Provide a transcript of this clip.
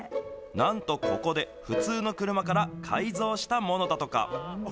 なんとここで、普通の車から改造したものだとか。